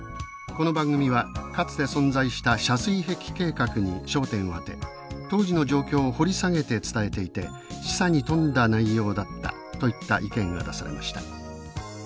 この番組はかつて存在した遮水壁計画に焦点を当て当時の状況を掘り下げて伝えていて示唆に富んだ内容だった」といった意見が出されました。